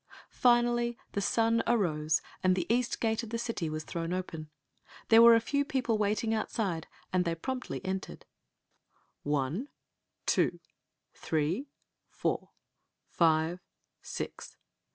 Finally the sun arose and the east gate of the city was thrown open. There were a few people waiting outside, and they promptly enured Queen Zixi of Ix; or, the "One, two, three, four, five, six